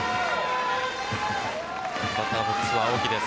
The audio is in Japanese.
バッターボックスは青木です。